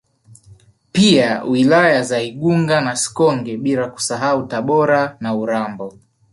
Pia wilaya za Igunga na Sikonge bila kusahau Tabora na Urambo